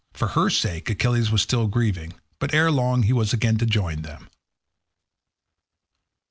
For her sake Achilles was still grieving, but ere long he was again to join them.